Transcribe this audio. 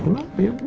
kenapa ya bu